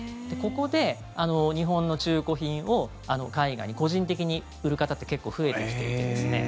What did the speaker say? ここで日本の中古品を海外に、個人的に売る方って結構、増えてきていて。